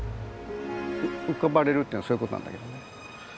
「浮かばれる」っていうのはそういうことなんだけどね。